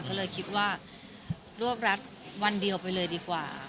ก็เลยคิดว่ารวบรัดวันเดียวไปเลยดีกว่า